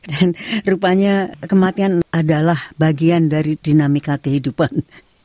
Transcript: dan rupanya kematian adalah bagian dari dinamika kehidupan